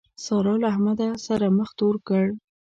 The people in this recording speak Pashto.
سارا له احمد سره مخ تور کړ.